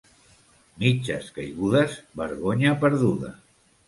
Mitges caigudes, vergonya perduda.